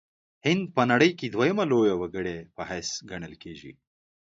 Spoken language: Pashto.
هند په نړۍ کې دویمه لویه وګړې په حیث ګڼل کیږي.